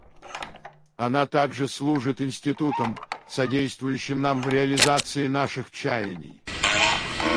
Она также служит институтом, содействующим нам в реализации наших чаяний.